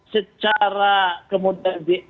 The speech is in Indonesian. secara kemudian di evaluasi